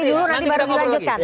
ini udah lelah ini ya